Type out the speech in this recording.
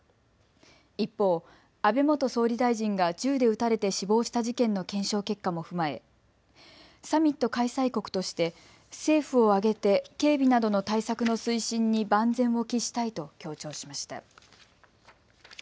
一方、安倍元総理大臣が銃で撃たれて死亡した事件の検証結果も踏まえ、サミット開催国として政府を挙げて警備などの対策の推進に万全を期したいと強調しました。